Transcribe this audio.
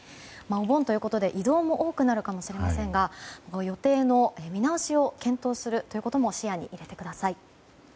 お盆ということで移動も多くなるかもしれませんが予定の見直しを検討することも視野に入れてください。